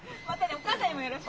お母さんにもよろしく。